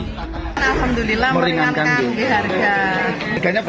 alhamdulillah meringankan di harga dua puluh delapan empat belas dua liter